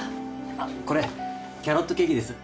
あっこれキャロットケーキです。